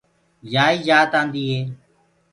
يائيٚ جآت آنٚديٚ هي۔